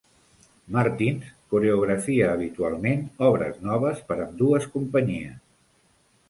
Martins coreaografia habitualment obres noves per a ambdues companyies.